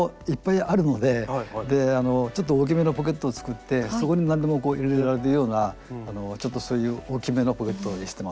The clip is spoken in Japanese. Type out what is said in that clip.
でちょっと大きめのポケットを作ってそこに何でもこう入れられるようなちょっとそういう大きめのポケットにしてます。